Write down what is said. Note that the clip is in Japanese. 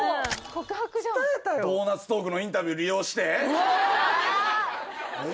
告白じゃん「ドーナツトーク」のインタビュー利用して？え！